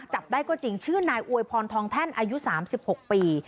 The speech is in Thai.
จับได้ก็จริงชื่อนายอวยพรทองแท่นอายุ๓๖ปี